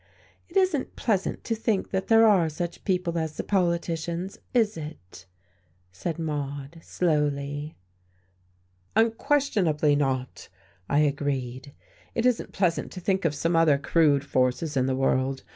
"It isn't pleasant to think that there are such people as the politicians, is it?" said Maude, slowly. "Unquestionably not," I agreed. "It isn't pleasant to think of some other crude forces in the world.